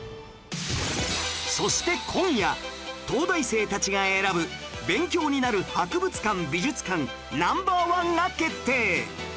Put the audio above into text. そして今夜東大生たちが選ぶ勉強になる博物館・美術館ナンバー１が決定！